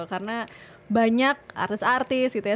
karena banyak artis artis gitu ya